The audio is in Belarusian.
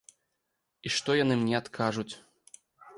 І што яны мне адкажуць?